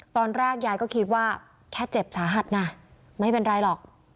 ตอนแรกยายก็คิดว่าแค่เจ็บสาหัสนะไม่เป็นไรหรอก